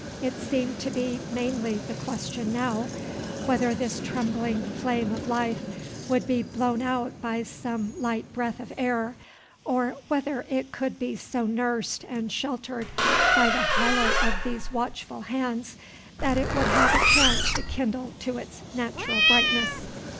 It seemed to be mainly the question now, whether this trembling flame of life would be blown out by some light breath of air, or whether it could be so nursed and sheltered by the hollow of these watchful hands that it would have a chance to kindle to its natural brightness.